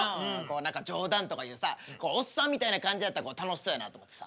何か冗談とか言うさおっさんみたいな感じやったら楽しそうやなと思ってさ。